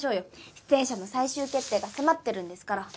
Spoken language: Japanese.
出演者の最終決定が迫ってるんですから。